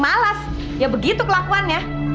malas ya begitu kelakuannya